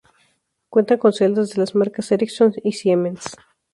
Cuentan con celdas de las marcas Ericsson y Siemens.